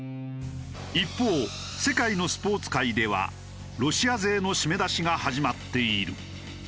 一方世界のスポーツ界ではロシア勢の締め出しが始まっている。